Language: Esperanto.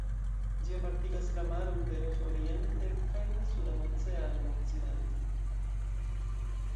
Ĝi apartigas la maron de Ross oriente kaj la Sudan Oceanon okcidente.